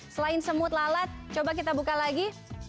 selain semut lalat coba kita buka lagi